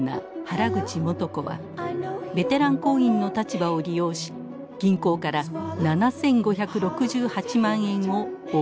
原口元子はベテラン行員の立場を利用し銀行から７，５６８万円を横領。